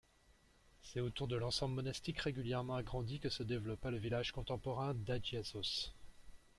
C'est autour de l'ensemble monastique régulièrement agrandi que se développa le village contemporain d'Agiasos.